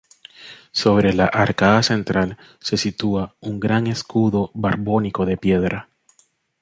Sobre la arcada central se sitúa un gran escudo borbónico de piedra.